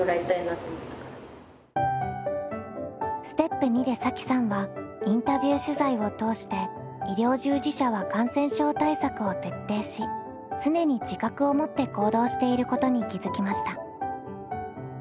ステップ２でさきさんはインタビュー取材を通して医療従事者は感染症対策を徹底し常に自覚を持って行動していることに気付きました。